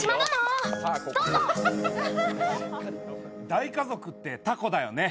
大家族ってたこだよね。